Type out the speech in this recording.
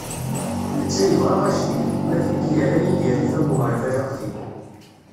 Netta yebɣa ajdid, ma d nekk yerra-yi di rrif am uɣerbal aqdim.